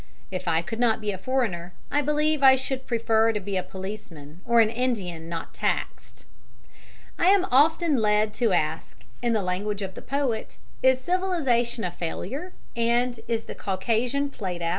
If I could not be a foreigner, I believe I should prefer to be a policeman or an Indian not taxed. [Illustration: PATRICK HENRY'S GREAT SPEECH.] I am often led to ask, in the language of the poet, "Is civilization a failure, and is the Caucasian played out?"